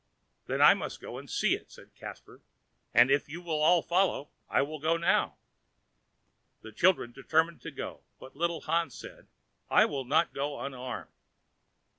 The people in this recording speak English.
"But I must go and see it," said Caspar; "and, if you will all follow, I will go now." The children determined to go, but little Hans said: "I will not go unarmed!"